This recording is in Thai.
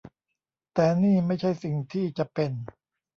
แต่นี่ไม่ใช่สิ่งที่จะเป็น